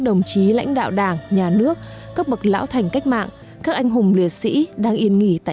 đồng chí lãnh đạo đảng nhà nước các bậc lão thành cách mạng các anh hùng liệt sĩ đang yên nghỉ tại